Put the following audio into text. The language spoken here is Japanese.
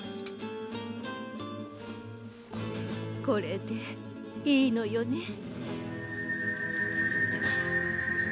これでいいのよね？